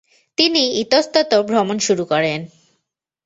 তিনি ইতস্তত ভ্রমণ শুরু করেন ।